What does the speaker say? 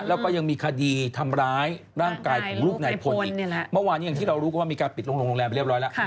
แล้วก็ยังมีคดีทำร้ายร่างกายของลูกนายพลอีกเมื่อวานอย่างที่เรารู้กันว่ามีการปิดโรงแรมไปเรียบร้อยแล้ว